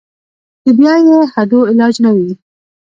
چې بيا ئې هډو علاج نۀ وي -